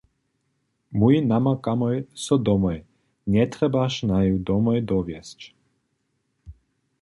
Mój namakamoj so domoj, njetrjebaš naju domoj dowjezć.